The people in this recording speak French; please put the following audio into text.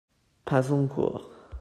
Pas encore.